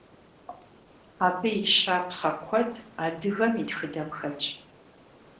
Абы и щапхъэ куэд адыгэм и тхыдэм хэтщ.